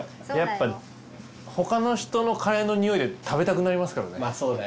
やっぱ他の人のカレーの匂いで食べたくなりますからね